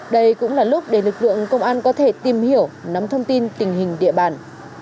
đây cũng là lúc để lực lượng công an có thể tìm hiểu nắm thông tin tình hình địa bàn